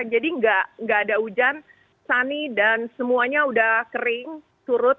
jadi nggak ada hujan sunny dan semuanya udah kering turut